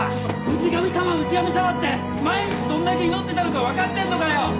氏神様氏神様って毎日どんだけ祈ってたのかわかってんのかよ！